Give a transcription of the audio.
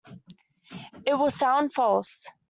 It will sound false.